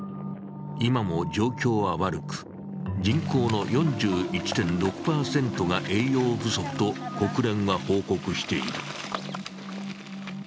今も状況は悪く、人口の４１．６％が栄養不足と国連は報告している。